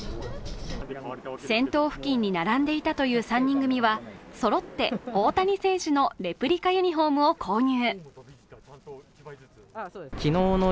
先頭付近に並んでいたという３人組は、そろって大谷選手のレプリカユニフォームを購入。